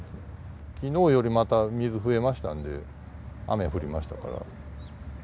きのうよりまた水増えましたんで、雨降りましたから。